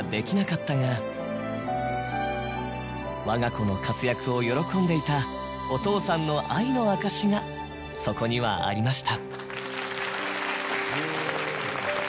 わが子の活躍を喜んでいたお父さんの愛の証しがそこにはありました。